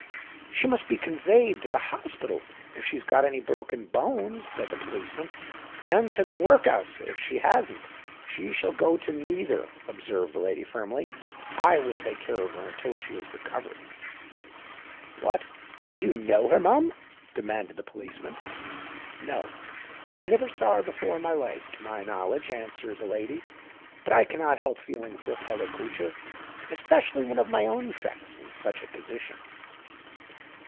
"She must be conveyed to the hospital, if she's got any broken bones," said the policeman; "and to the workus if she hasn't." "She shall go to neither," observed the lady firmly: "I will take care of her until she is recovered." "What—do you know her, mum?" demanded the policeman. "No—I never saw her before in my life, to my knowledge," answered the lady. "But I cannot help feeling for a fellow creature—especially one of my own sex—in such a position."